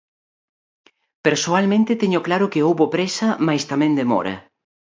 Persoalmente teño claro que houbo présa mais tamén demora.